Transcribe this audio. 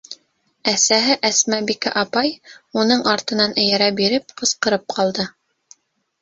Әсәһе Әсмәбикә апай, уның артынан эйәрә биреп, ҡысҡырып ҡалды: